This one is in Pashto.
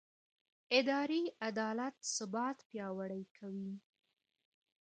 اداري عدالت ثبات پیاوړی کوي